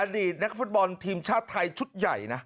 โทษบอลทีมชาติไทยชุดใหญ่นะ